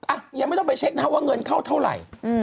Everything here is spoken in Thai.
อ่ะยังไม่ต้องไปเช็คนะฮะว่าเงินเข้าเท่าไหร่